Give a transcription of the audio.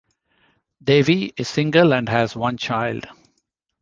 Davey is single and has one child.